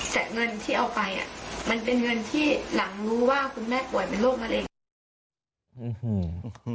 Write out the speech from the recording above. แต่เงินที่เอาไปอ่ะมันเป็นเงินที่หลังรู้ว่าคุณแม่ป่วยเป็นโรคมะเร็ง